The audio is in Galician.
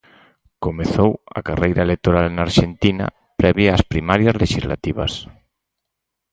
Comezou a carreira electoral na Arxentina previa ás primarias lexislativas.